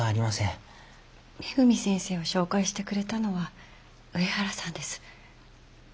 恵先生を紹介してくれたのは上原さんです。